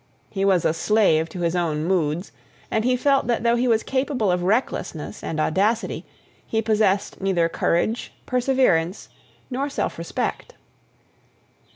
he was a slave to his own moods and he felt that though he was capable of recklessness and audacity, he possessed neither courage, perseverance, nor self respect.